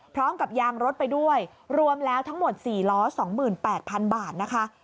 พร้อมกับยางรถไปด้วยรวมแล้วทั้งหมด๔ล้อ๒๘๐๐๐บาทนะคะ